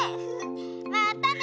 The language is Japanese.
またね